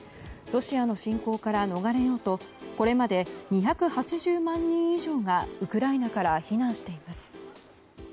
ロシアの侵攻から逃れようとこれまで２８０万人以上がウクライナから避難しています。